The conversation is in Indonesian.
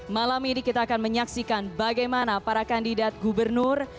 malam ini kita akan menyaksikan bagaimana para kandidat gubernur